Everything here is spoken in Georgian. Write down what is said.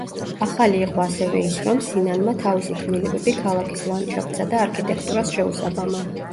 ახალი იყო ასევე ის, რომ სინანმა თავისი ქმნილებები ქალაქის ლანდშაფტსა და არქიტექტურას შეუსაბამა.